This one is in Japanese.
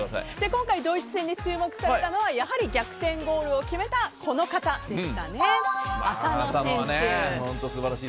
今回ドイツ戦で注目されたのは逆転ゴールを決めたこの方でしたね、浅野選手。